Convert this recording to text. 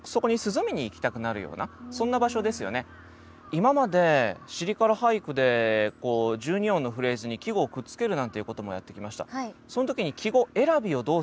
今まで「尻から俳句」で１２音のフレーズに季語をくっつけるなんていうこともやってきました。